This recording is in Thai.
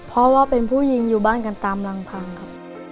เพราะว่าเป็นผู้หญิงอยู่บ้านกันตามลำพังครับ